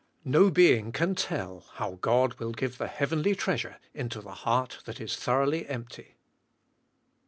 No being can tell how God will give the heavenly treasure into the heart that is thoroughly empty.